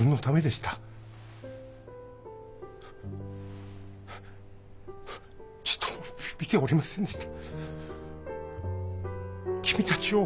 君たちをちっとも見ておりませんでした。